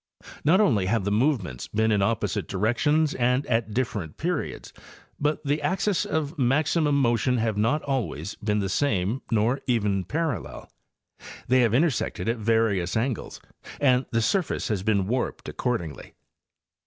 Not only have the movements been in opposite directions and at different periods, but the axes of maximum motion have not always been the same nor even parallel; they have intersected at various angles, and the surface has been warped accordingly.